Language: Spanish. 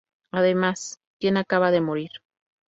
Además "Quien acaba de morir".